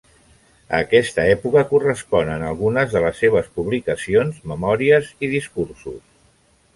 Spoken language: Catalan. A aquesta època corresponen algunes de les seves publicacions, memòries i discursos.